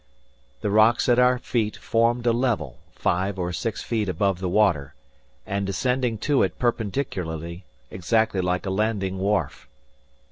The rocks at our feet formed a level, five or six feet above the water, and descending to it perpendicularly, exactly like a landing wharf.